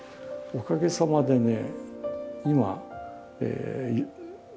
おかげさまでね